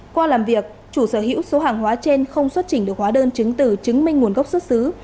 qua làm việc chủ sở hữu số hàng hóa trên không xuất trình được hóa đơn chứng từ chứng minh nguồn gốc xuất xứ